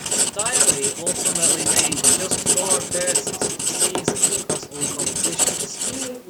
Diaby ultimately made just four appearances for the season across all competitions.